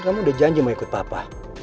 kamu udah janji mau ikut papa